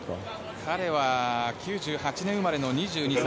彼は１９９８年生まれの２２歳。